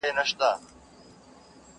دغه حالت د انسانيت د سقوط انځور وړلاندي کوي